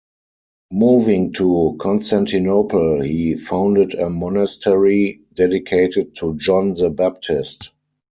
Moving to Constantinople, he founded a monastery dedicated to John the Baptist.